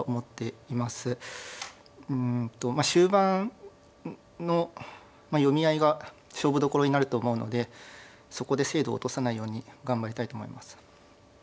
終盤の読み合いが勝負どころになると思うのでそこで精度を落とさないように頑張りたいと思います。